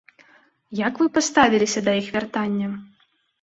Як вы паставіліся да іх вяртання?